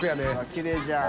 △きれいじゃん。